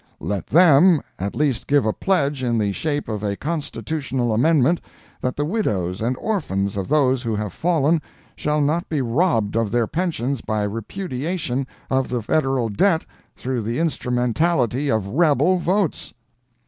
Let them, at least give a pledge in the shape of a constitutional amendment that the widows and orphans of those who have fallen shall not be robbed of their pensions by repudiation of the Federal debt through the instrumentality of rebel votes!